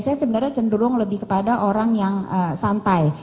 saya sebenarnya cenderung lebih kepada orang yang santai